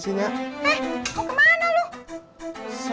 lima juta yang ada